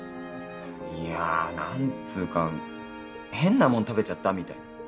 いや何つうか変なもん食べちゃったみたいな。